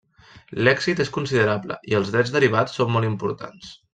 L'èxit és considerable i els drets derivats són molt importants.